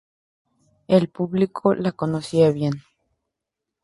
El público la conocía bien.